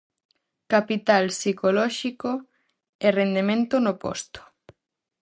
Capital psicolóxico e rendemento no posto.